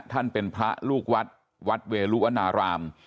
ท่านเป็นพระลูกวัดวัดเวลุวนาราม